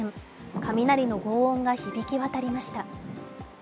雷のごう音が響き渡りました。